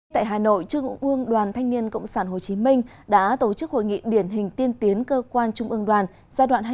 tại hà nội trung ương đoàn thanh niên cộng sản hồ chí minh đã tổ chức hội nghị điển hình tiên tiến cơ quan trung ương đoàn giai đoạn hai nghìn một mươi tám hai nghìn hai mươi